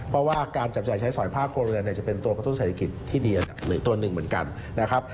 เพราะว่าการจับจ่ายใช้สอยผ้าโครงเรียนจะเป็นตัวกระทั่วเศรษฐกิจที่ดีอันหนึ่งเหมือนกัน